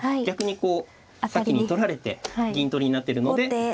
逆に先に取られて銀取りになっているので。